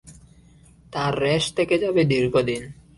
তার রেশ থেকে যাবে দীর্ঘদিন।